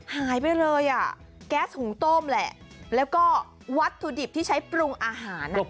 หายไปเลยอ่ะแก๊สหุงต้มแหละแล้วก็วัตถุดิบที่ใช้ปรุงอาหาร